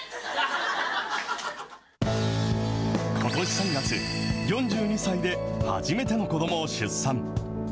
ことし３月、４２歳で初めての子どもを出産。